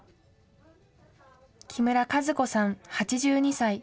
木村和子さん８２歳。